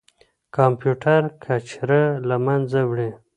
کمپيوټر کچره له منځه وړي.